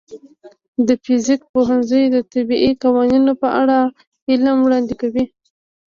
د فزیک پوهنځی د طبیعي قوانینو په اړه علم وړاندې کوي.